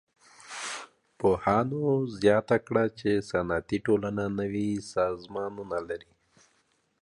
پوهانو زياته کړه چي صنعتي ټولني نوي سازمانونه لري.